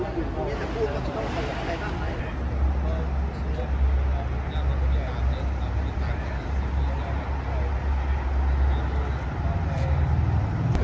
ไม่ได้